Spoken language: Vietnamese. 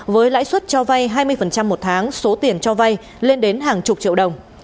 với lãi suất cho vay hai mươi một tháng số tiền cho vay lên đến hàng chục triệu đồng